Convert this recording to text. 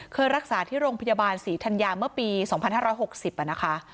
เคยรักษาที่โรงพยาบาลศรีธัญญาเมื่อปี๒๕๖๐นะคะ